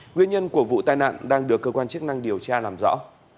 nguyên nhân của vụ tai nạn đang được cơ quan chức năng điều tra làm rõ